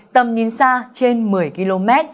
tầm nhìn xa trên một mươi km